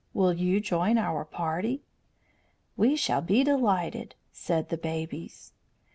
"Will you join our party?" "We shall be delighted," said the babies.